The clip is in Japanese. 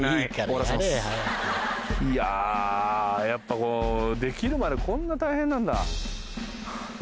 いややっぱこうできるまでこんな大変なんだ。